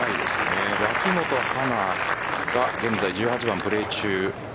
脇元華が現在１８番プレー中。